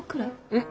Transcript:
うん？